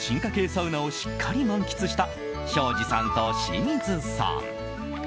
サウナをしっかり満喫した庄司さんと清水さん。